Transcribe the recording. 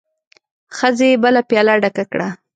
ښځې بله پياله ډکه کړه.